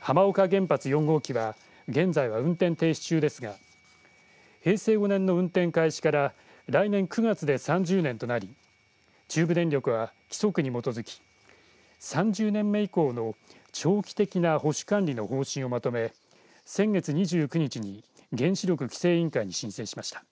浜岡原発４号機は現在は運転停止中ですが平成５年の運転開始から来年９月で３０年となり中部電力は規則に基づき３０年目以降の長期的な保守管理の方針をまとめ先月２９日に原子力規制委員会に申請しました。